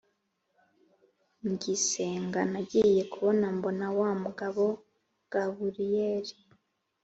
ngisenga nagiye kubona mbona wa mugabo gaburiyeli